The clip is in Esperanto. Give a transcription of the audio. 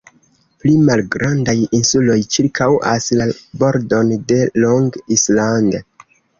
Pli malgrandaj insuloj ĉirkaŭas la bordon de Long Island.